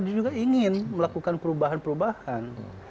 dia juga ingin melakukan perubahan perubahan